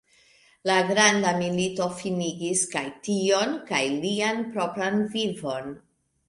La Granda Milito finigis kaj tion kaj lian propran vivon.